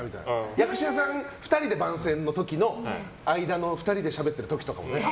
役者さん、２人で番宣の時の間で２人でしゃべってる時もね。